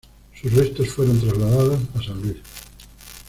Sus restos fueron trasladados a San Luis.